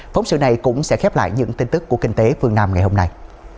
phóng sự này cũng sẽ khép lại những tin tức của kinh tế phương nam ngày hôm nay